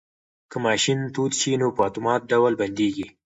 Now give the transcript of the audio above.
که ماشین تود شي نو په اتومات ډول بندیږي.